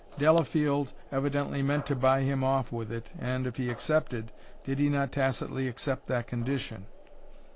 Delafield evidently meant to buy him off with it and, if he accepted, did he not tacitly accept that condition?